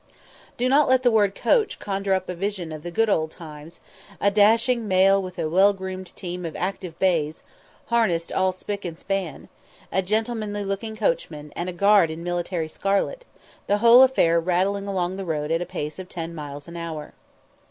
Do not let the word coach conjure up a vision of "the good old times," a dashing mail with a well groomed team of active bays, harness all "spick and span," a gentlemanly looking coachman, and a guard in military scarlet, the whole affair rattling along the road at a pace of ten miles an hour.